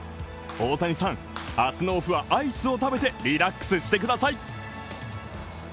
大谷さん、明日のオフはアイスを食べてリラックスしてください。